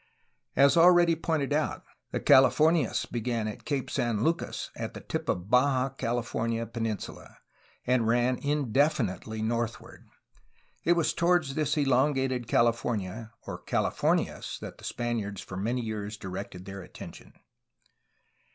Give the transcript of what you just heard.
As already pointed out, the Calif ornias began at Cape San Lucas, at the tip of the Baja California penin sula, and ran indefinitely northward. It was toward this elongated California, or ''Calif ornias," that the Spaniards for many years directed their attention.